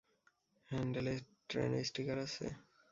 হ্যান্ডেলে ট্রেনের স্টিকার আছে?